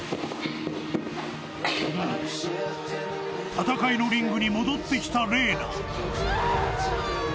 ［戦いのリングに戻ってきたＲＥＮＡ］